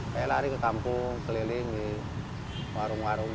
saya lari ke kampung keliling di warung warung